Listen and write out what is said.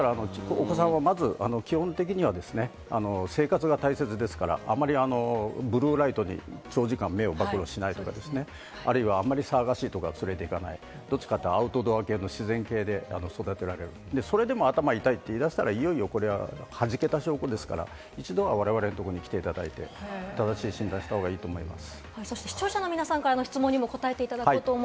お子さんをまず基本的には生活が大切ですから、あんまりブルーライトに長時間目を曝露しないとか、あんまり騒がしいところに連れて行かない、どっちかというとアウトドア系、自然系で育てられる、それでも頭が痛いと言い出したらいよいよこれは、はじけた証拠ですから、一度、我々のところに来ていただいて、正しい診断をした方がいいと思います。